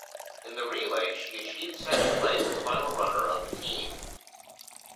In the relay, she achieved second place as final runner of the team.